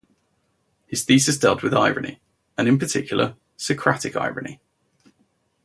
His thesis dealt with irony, and in particular, Socratic irony.